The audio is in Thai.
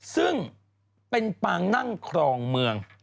ซึ่งเป็นปางนั่งครองเมือง